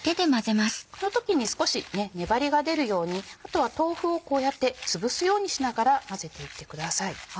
この時に少し粘りが出るようにあとは豆腐をこうやってつぶすようにしながら混ぜていってください。